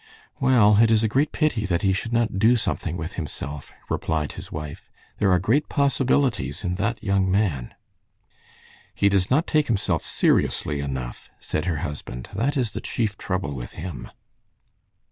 "Well, it is a great pity that he should not do something with himself," replied his wife. "There are great possibilities in that young man." "He does not take himself seriously enough," said her husband. "That is the chief trouble with him."